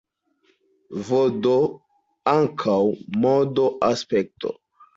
Vd ankaŭ modo, aspekto.